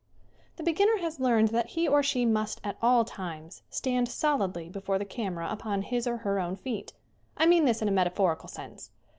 THE BEGINNER has learned that he or she must at all times stand solidly before the cam era upon his or her own feet. I mean this in a metaphorical sense.